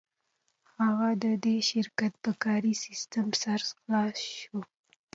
هغه د دې شرکت پر کاري سیسټم سر خلاص شو